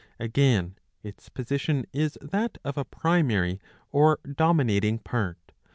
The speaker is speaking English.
Again its position is that of a primary or dominating part.